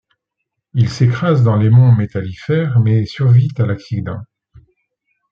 Il s'écrase dans les Monts Métallifères mais survit à l’accident.